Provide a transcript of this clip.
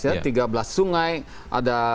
tiga belas sungai ada kawasan besar